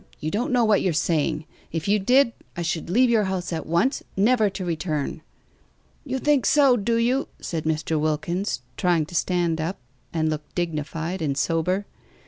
You don't know what you're saying. If you did, I should leave your house at once, never to return." "You think so, do you?" said Mr. Wilkins, trying to stand up, and look dignified and sober.